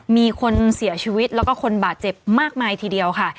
มีคนเสียชีวิตแล้วก็คนบาดเจ็บมากมายทีเดียวค่ะ